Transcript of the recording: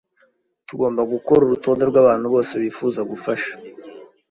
Tugomba gukora urutonde rwabantu bose bifuza gufasha.